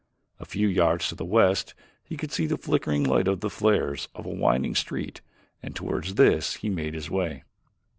A few yards to the west he could see the flickering light of the flares of a winding street, and toward this he made his way.